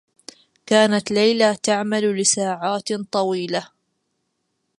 كانت ليلى تعمل لساعات طويلة.